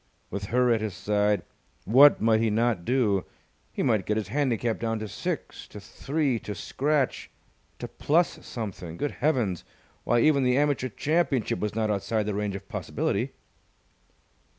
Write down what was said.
With her at his side, what might he not do? He might get his handicap down to six to three to scratch to plus something! Good heavens, why, even the Amateur Championship was not outside the range of possibility.